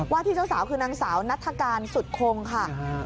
ที่เจ้าสาวคือนางสาวนัฐกาลสุดคงค่ะ